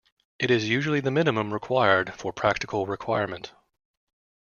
It is usually the minimum required for practical requirement.